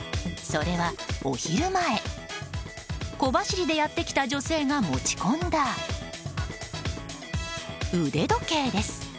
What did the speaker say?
それは、お昼前小走りでやってきた女性が持ち込んだ腕時計です。